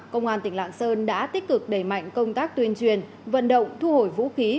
công an tỉnh lạng sơn đã tích cực đẩy mạnh công tác tuyên truyền vận động thu hồi vũ khí